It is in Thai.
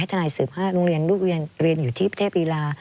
ทนาย๑๕โรงเรียนลูกเรียนอยู่ที่ประเทศภีรา